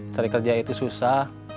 cari kerja itu susah